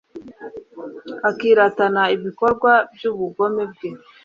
akiratana ibikorwa by’ubugome bwe»